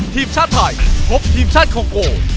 ทีมชาติไทยพบทีมชาติคองโก